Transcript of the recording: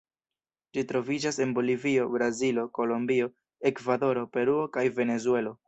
Ĝi troviĝas en Bolivio, Brazilo, Kolombio, Ekvadoro, Peruo kaj Venezuelo.